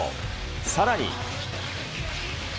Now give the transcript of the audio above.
さらに。